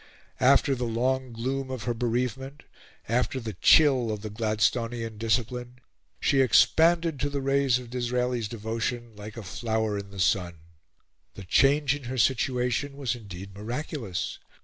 After the long gloom of her bereavement, after the chill of the Gladstonian discipline, she expanded to the rays of Disraeli's devotion like a flower in the sun. The change in her situation was indeed miraculous.